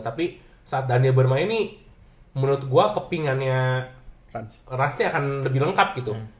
tapi saat daniel bermain ini menurut gue kepingannya rasti akan lebih lengkap gitu